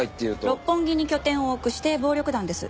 六本木に拠点を置く指定暴力団です。